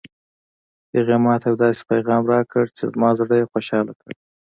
هغې ما ته یو داسې پېغام راکړ چې زما زړه یې خوشحاله کړ